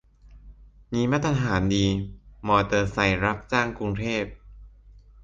มีมาตรฐานดี มอเตอร์ไซค์รับจ้างกรุงเทพ